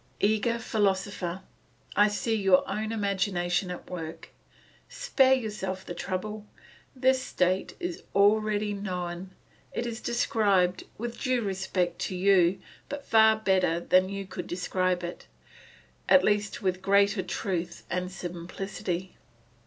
Eager philosopher, I see your own imagination at work. Spare yourself the trouble; this state is already known, it is described, with due respect to you, far better than you could describe it, at least with greater truth and simplicity.